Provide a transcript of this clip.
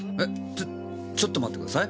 ちょっちょっと待ってください。